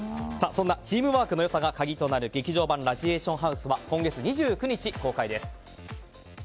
そんなチームワークの良さが鍵となる「劇場版ラジエーションハウス」は今月２９日公開です。